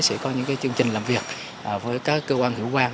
sẽ có những chương trình làm việc với các cơ quan hữu quan